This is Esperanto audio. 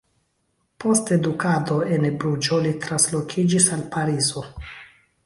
Post edukado en Bruĝo, li translokiĝis al Parizo.